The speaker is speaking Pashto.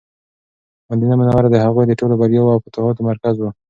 مدینه منوره د هغوی د ټولو بریاوو او فتوحاتو مرکز و.